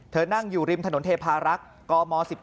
นั่งอยู่ริมถนนเทพารักษ์กม๑๙